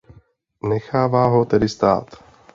Nechává ho tedy stát.